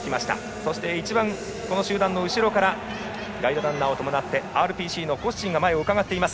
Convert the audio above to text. そして、一番この集団の後ろからガイドランナーを伴ってＲＰＣのコスチンが前をうかがいます。